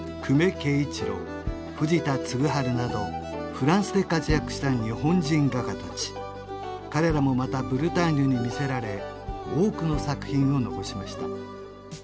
桂一郎藤田嗣治などフランスで活躍した日本人画家たち彼らもまたブルターニュに魅せられ多くの作品を残しました